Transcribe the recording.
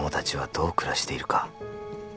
「どう暮らしているか」